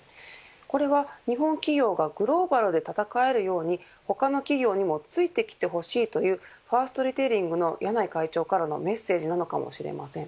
これは日本企業がグローバルで戦えるように他の企業にもついてきてほしいというファーストリテイリングの柳井会長からのメッセージなのかもしれません。